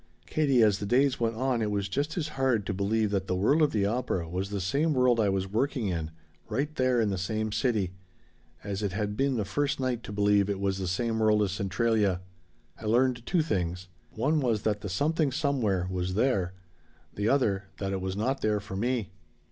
"Katie, as the days went on it was just as hard to believe that the world of the opera was the same world I was working in right there in the same city as it had been the first night to believe it was the same world as Centralia. I learned two things. One was that the Something Somewhere was there. The other that it was not there for me.